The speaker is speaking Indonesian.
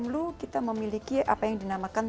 di kemlu kita memiliki apa yang dinamakan